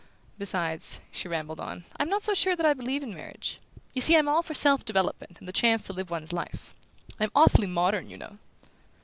Besides," she rambled on, "I'm not so sure that I believe in marriage. You see I'm all for self development and the chance to live one's life. I'm awfully modern, you know."